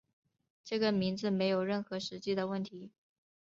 这个名字没有任何实际的原因。